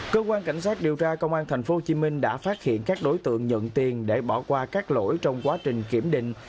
cơ quan cảnh sát điều tra công an tp hcm đã phát hiện các đối tượng nhận tiền để bỏ qua các lỗi trong quá trình kiểm định